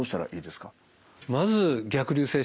まず逆流性